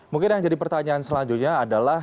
mungkin yang jadi pertanyaan selanjutnya adalah